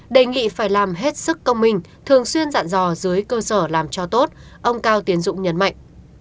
đề nghị phải làm hết sức công minh thường xuyên dặn dò dưới cơ sở làm cho tốt ông cao tiến dũng nhấn mạnh